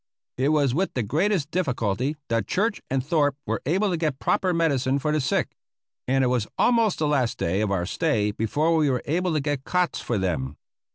It was with the greatest difficulty that Church and Thorpe were able to get proper medicine for the sick, and it was almost the last day of our stay before we were able to get cots for them.